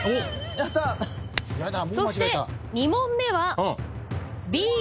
そして２問目は。